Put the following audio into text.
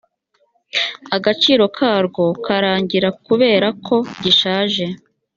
agaciro karwo karangira kubera ko gishaje